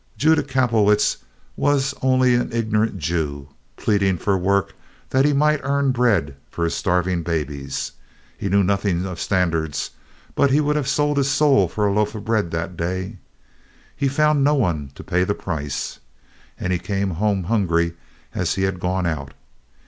Judah Kapelowitz was only an ignorant Jew, pleading for work that he might earn bread for his starving babies. He knew nothing of standards, but he would have sold his soul for a loaf of bread that day. He found no one to pay the price, and he came home hungry as he had gone out.